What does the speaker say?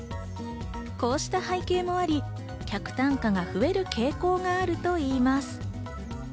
こうした背景もあり客単価が増える傾向があるといいます。